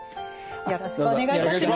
よろしくお願いします。